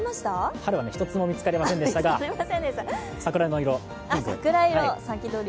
春は１つも見つかりませんでしたが、桜の色、ピンク。